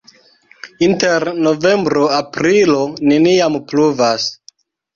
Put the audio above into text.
Inter novembro-aprilo neniam pluvas.